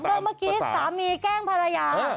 เมื่อกี้สามีแกล้งภรรยา